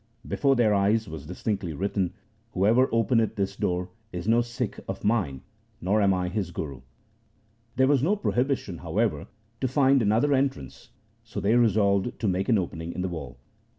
Before their eyes was distinctly written, ' Whoever openeth this door is no Sikh of mine, nor am I his Guru.' There was no prohibition, however, to find another entrance, so they resolved to make an opening in the wall.